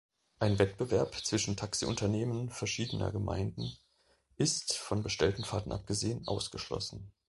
Ein Wettbewerb zwischen Taxiunternehmen verschiedener Gemeinden ist, von bestellten Fahrten abgesehen, ausgeschlossen.